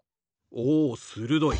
おするどい。